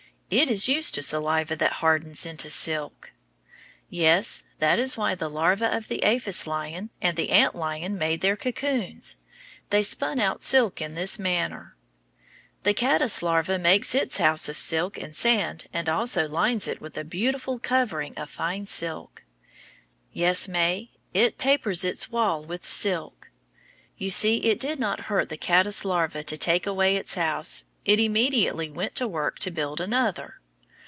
It is used to saliva that hardens into silk. Yes, that is the way the larva of the aphis lion and of the ant lion made their cocoons. They spun out silk in this manner. The caddice larva makes its house of silk and sand and also lines it with a beautiful covering of fine silk. Yes, May, it papers its walls with silk. You see it did not hurt the caddice larva to take away its house; it immediately went to work to build another.